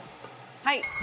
はい！